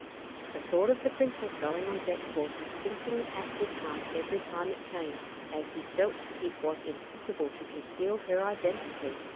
The thought of the princess going on deck caused a sinking at his heart every time it came, as he felt that it was almost impossible to conceal her identity.